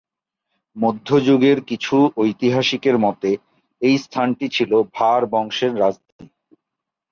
মধ্যযুগের কিছু ঐতিহাসিকের মতে এই স্থানটি ছিল "ভার" বংশের রাজধানী।